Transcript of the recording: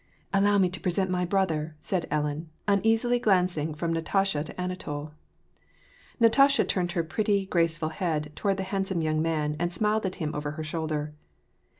''Allow me to present my brother/' said Ellen, uneasily glancing from Natasha to Aimtol. Natasha turned her pretty, graceful head toward the hand some young man, and smiled at him over her shoulder.